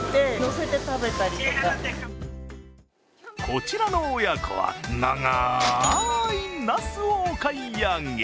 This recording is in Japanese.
こちらの親子は長いなすをお買い上げ。